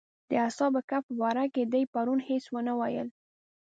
د اصحاب کهف باره کې دې پرون هېڅ ونه ویل.